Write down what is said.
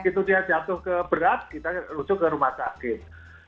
begitu dia jatuh ke berat kita rujuk ke rumah sakit